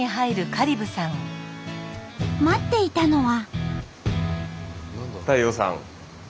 待っていたのは。